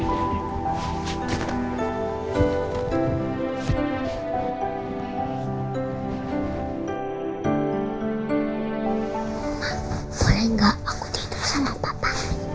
mama boleh gak aku tidur sama papa